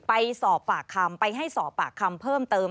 ไปสอบปากคำไปให้สอบปากคำเพิ่มเติม